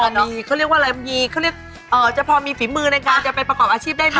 มีเขาเรียกว่าอะไรมีเขาเรียกจะพอมีฝีมือในการจะไปประกอบอาชีพได้ไหม